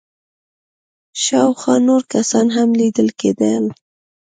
شاوخوا نور کسان هم ليدل کېدل.